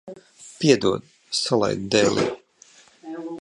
Piedod, salaidu dēlī.